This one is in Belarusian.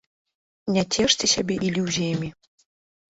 Не цешце сабе ілюзіямі.